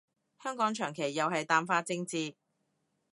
香港長期又係淡化政治